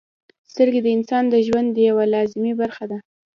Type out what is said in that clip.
• سترګې د انسان د ژوند یوه لازمي برخه ده.